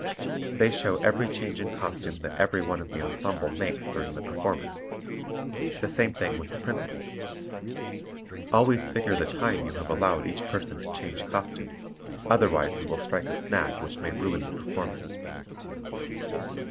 They show every change in costume that every one of the ensemble makes during the performance. The same thing with the principals. Always figure the time you have allowed each person to change costume, otherwise you will strike a snag which may ruin the performance.